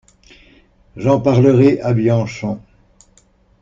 J'en parlerai à Bianchon.